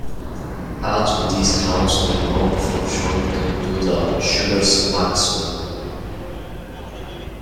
Ads with these clowns were known for showing them do the "Sugar Smack Swing".